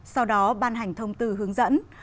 sau đó ban hành thông tư hướng dẫn